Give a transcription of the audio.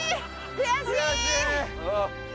悔しい！